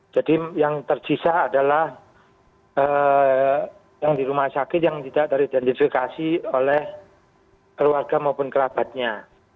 jadi yang tercisa adalah yang di rumah sakit yang tidak teridentifikasi oleh keluarga maupun kerabatnya